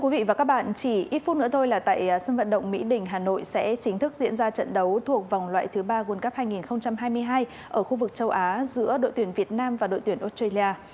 quý vị và các bạn chỉ ít phút nữa thôi là tại sân vận động mỹ đình hà nội sẽ chính thức diễn ra trận đấu thuộc vòng loại thứ ba world cup hai nghìn hai mươi hai ở khu vực châu á giữa đội tuyển việt nam và đội tuyển australia